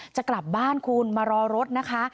จะกลับบ้านคุณมารอรถนะคะ